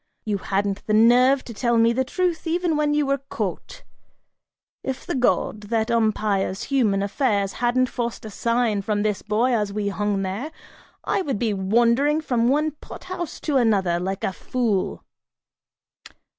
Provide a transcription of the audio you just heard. You hadn't the nerve to tell me the truth even when you were caught! If the god, that umpires human affairs hadn't forced a sign from this boy as he hung there, I would be wandering from one pot house to another, like a fool!"